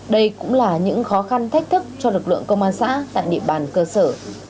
đây cũng là những khó khăn thách thức cho lực lượng công an xã tại địa bàn cơ sở